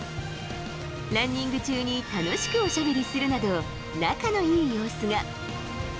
ランニング中に楽しくお喋りするなど、仲の良い様子が。